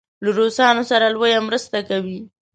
له روسانو سره لویه مرسته کوي.